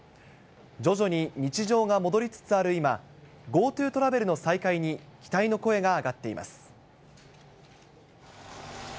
徐々に日常が戻りつつある今、ＧｏＴｏトラベルの再開に期待の声が上がっています。